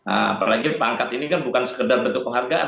apalagi pangkat ini kan bukan sekedar bentuk penghargaan